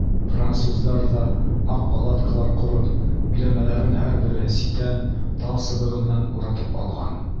Француздар ҙа, аҡ палаткалар ҡороп, биләмәләрен һәр береһе ситән, тал сыбығы менән уратып алған.